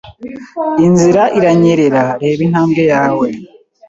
Inzira iranyerera, reba intambwe yawe.